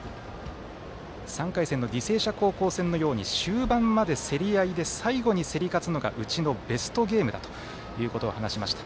３回戦の履正社高校戦のように終盤まで競り合いで最後に競り勝つのがうちのベストゲームだということ話しました。